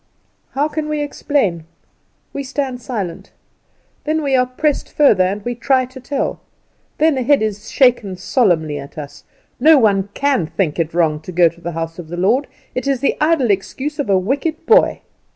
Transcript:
How can we explain? we stand silent. Then we are pressed further, and we try to tell. Then a head is shaken solemnly at us. No one can think it wrong to go to the house of the Lord; it is the idle excuse of a wicked boy.